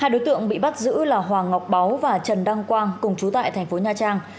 hai đối tượng bị bắt giữ là hoàng ngọc báu và trần đăng quang cùng chú tại thành phố nha trang